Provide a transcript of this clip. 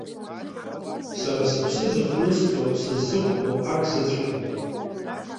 Сара сыԥсы зыхҭнысҵо, сыззықәԥо акзаҵәыкоуп.